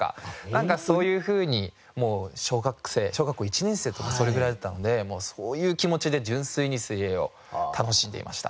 なんかそういうふうに小学生小学校１年生とかそれぐらいだったのでそういう気持ちで純粋に水泳を楽しんでいました。